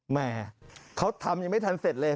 แม่เขาทำยังไม่ทันเสร็จเลย